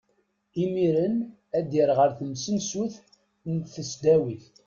Imiren ad yerr ɣer temsensut n tesdawit.